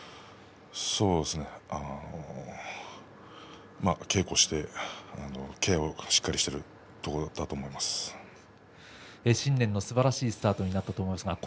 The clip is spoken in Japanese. そうですね稽古をしてケアをしっかりしているところだ新年のすばらしいスタートになったと思います。